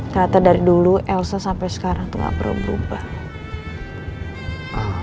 ternyata dari dulu elsa sampai sekarang tuh gak perlu berubah